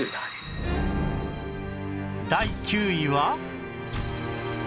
第９位は